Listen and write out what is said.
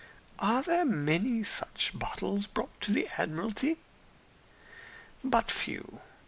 "Are many such bottles brought to the Admiralty?" "But few.